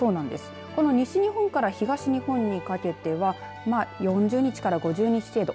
西日本から東日本にかけては４０日から５０日程度。